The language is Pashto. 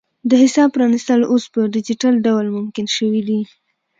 د حساب پرانیستل اوس په ډیجیټل ډول ممکن شوي دي.